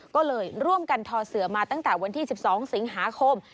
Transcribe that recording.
ก็เลยร่วมกันทอเสือมาตั้งแต่วันที่๑๒สิงหาคม